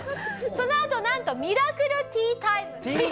そのあとなんとミラクルティータイム。